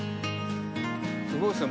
すごいですね。